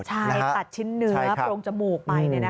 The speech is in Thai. ใช่ตัดชิ้นเนื้อโปรงจมูกไป